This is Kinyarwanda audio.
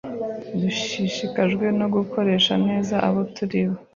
dushishikajwe no gukoresha neza abo turi bo